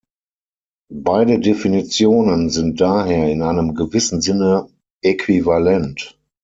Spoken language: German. Beide Definitionen sind daher in einem gewissen Sinne äquivalent.